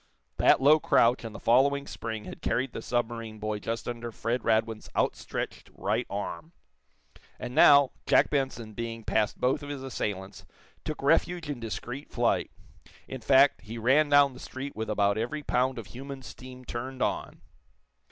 That low crouch and the following spring had carried the submarine boy just under Fred Radwin's outstretched right arm. And now, Jack Benson, being past both of his assailants, took refuge in discreet flight, in fact, he ran down the street with about every pound of human steam turned on.